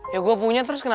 ya gue punya terus kenapa